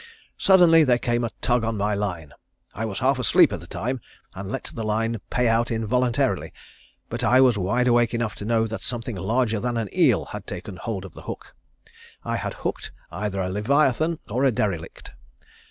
Suddenly there came a tug on my line. I was half asleep at the time and let the line pay out involuntarily, but I was wide awake enough to know that something larger than an eel had taken hold of the hook. I had hooked either a Leviathan or a derelict.